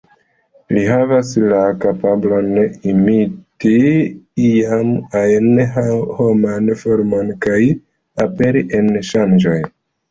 Li havas la kapablon imiti ian-ajn homan formon kaj aperi en sonĝoj.